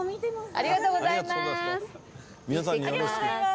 ありがとうございます。